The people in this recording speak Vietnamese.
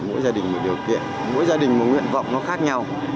mỗi gia đình một điều kiện mỗi gia đình một nguyện vọng nó khác nhau